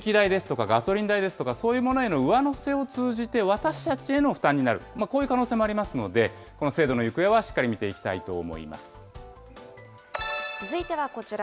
ただ一方で、電気代ですとかガソリン代ですとか、そういうものへの上乗せを通じて、私たちへの負担になると、こういう可能性もありますので、この制度の行方はしっかりと見ていきたいと思います。